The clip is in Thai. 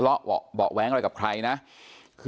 เป็นมีดปลายแหลมยาวประมาณ๑ฟุตนะฮะที่ใช้ก่อเหตุ